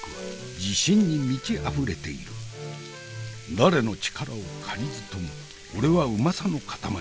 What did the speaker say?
「誰の力を借りずとも俺はうまさの塊。